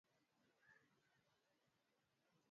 kwani mashirika haya yamekuwa yakitoa mchango mkubwa